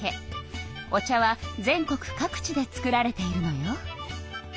お茶は全国各地で作られているのよ。